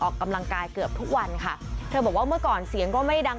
ออกกำลังกายเกือบทุกวันค่ะเธอบอกว่าเมื่อก่อนเสียงก็ไม่ดัง